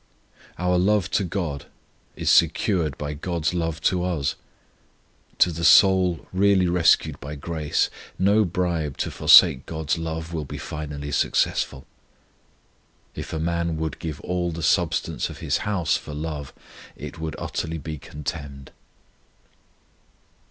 Our love to GOD is secured by GOD'S love to us. To the soul really rescued by grace, no bribe to forsake GOD'S love will be finally successful. "If a man would give all the substance of his house for love, it would utterly be contemned."